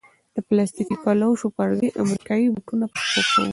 د پلاستیکي کلوشو پر ځای امریکایي بوټونه په پښو کوو.